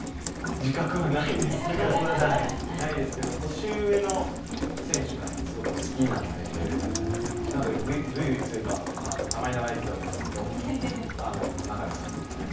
自覚はないですけど年上の選手がすごく好きなのでぐいぐい、いくというかたまに生意気とは言われますけど仲良くさせてもらってます。